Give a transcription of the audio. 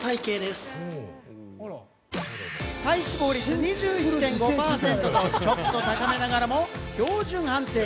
体脂肪率２１．５％と、ちょっと高めながらも標準判定。